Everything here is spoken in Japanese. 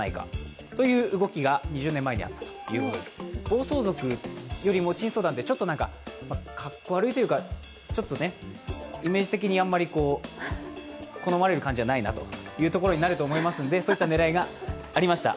暴走族よりも珍走団ってちょっとかっこ悪いというか、ちょっとイメージ的にあんまり好まれる感じじゃないなというところになると思いますのでそういった狙いがありました。